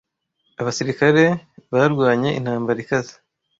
Abasirikare barwanye intambara ikaze.